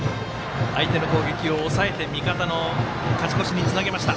相手の攻撃を抑えて味方の勝ち越しを呼び込みました。